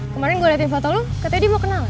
kemarin gue liatin foto lo katanya dia mau kenalan